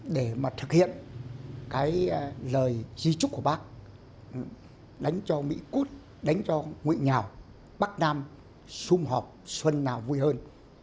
và thực hiện cái lời chi chúc của bác đánh cho mỹ cút đánh cho nguyễn nhào bắc nam xung họp xuân nào vui hơn